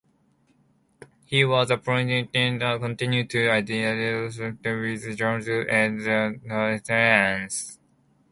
He was appointed continue to aid the company with his judgment and experience.